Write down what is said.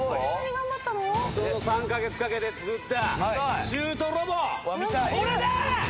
その３カ月かけて作ったシュートロボこれだ！